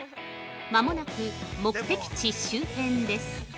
間もなく目的地周辺です。